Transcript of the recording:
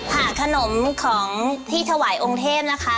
ค่ะขนมของที่ถวายองค์เทพนะคะ